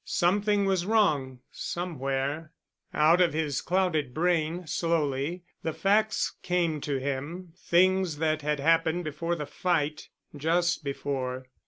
Something was wrong—somewhere. Out of his clouded brain, slowly, the facts came to him—things that had happened before the fight—just before.